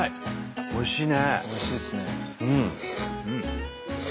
おいしいねうん。